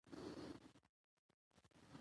افغانستان د د اوبو سرچینې له مخې پېژندل کېږي.